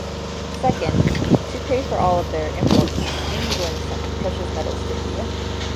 Second, to pay for all of their imports, England sent precious metals to India.